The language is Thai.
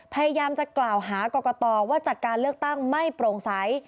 พยายามจะกล่าวหากรกตว่าจัดการเลือกตั้งไม่โปร่งใส